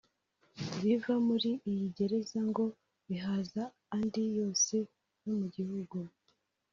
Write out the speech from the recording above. Ibiva muri iyi gereza ngo bihaza andi yose yo mu gihugu